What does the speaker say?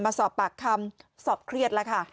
มาสอบปากคำสอบเครียดแล้วค่ะ